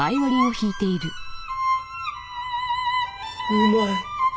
うまい。